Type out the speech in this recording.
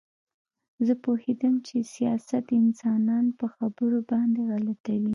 زه پوهېدم چې سیاست انسانان په خبرو باندې غلطوي